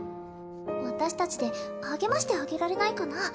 私たちで励ましてあげられないかな？